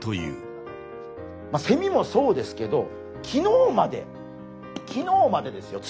セミもそうですけど昨日まで昨日までですよ